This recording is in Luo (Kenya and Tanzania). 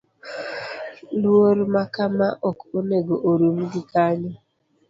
Luor ma kama ok onego orum gi kanyo.